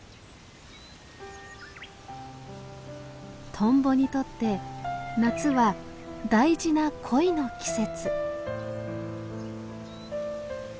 トンボにとって夏は大事な恋の季節。